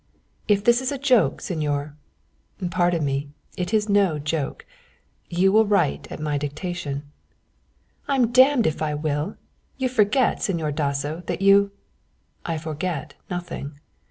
"If this is a joke, Señor " "Pardon me, it is no joke. You will write at my dictation." "I'm damned if I will you forget, Señor Dasso, that you " "I forget nothing.